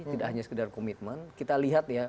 tidak hanya sekedar komitmen kita lihat ya